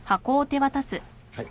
はい。